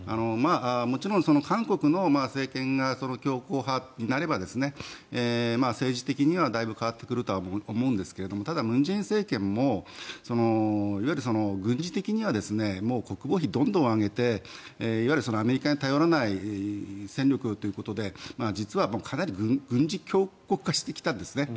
もちろん韓国の政権が強硬派になれば政治的にはだいぶ変わってくると思うんですがただ、文在寅政権もいわゆる軍事的には国防費、どんどん上げていわゆるアメリカに頼らない戦力ということで実はかなり軍事強国化してきたんですね。